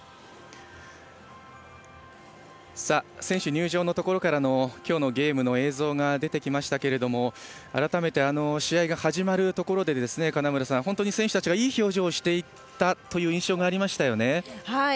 選手入場のところからの今日のゲームの映像が出てきましたけれども改めて試合が始まるところで金村さん、選手たちがいい表情をしていたという印象がありましたね。